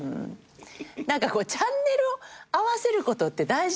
何かチャンネルを合わせることって大事だと思う。